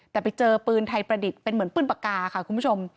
แต่ไปเจอปืนไทยประดิษฐ์เป็นเหมือนปืนปากกาค่ะคุณผู้ชม